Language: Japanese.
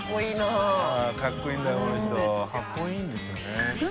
かっこいいんですよね。